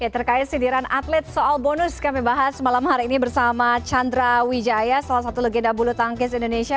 terkait sindiran atlet soal bonus kami bahas malam hari ini bersama chandra wijaya salah satu legenda bulu tangkis indonesia